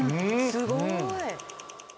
すごい。